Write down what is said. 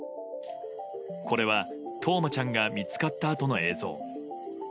これは冬生ちゃんが見つかったあとの映像。